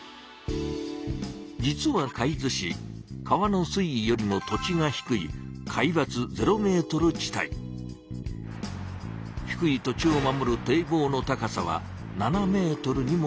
実は海津市川の水位よりも土地が低い低い土地を守る堤防の高さは７ｍにもおよびます。